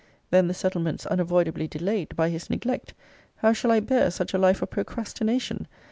Then, the settlements unavoidably delayed, by his neglect! How shall I bear such a life of procrastination!